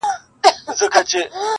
د انارګل او نارنج ګل او ګل غونډیو راځي!